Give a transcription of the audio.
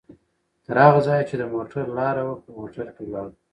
تر هغه ځایه چې د موټر لاره وه، په موټر کې ولاړو؛